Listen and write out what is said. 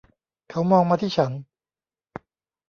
เขามองมาที่ฉัน